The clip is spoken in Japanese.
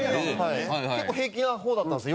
結構平気な方だったんですよ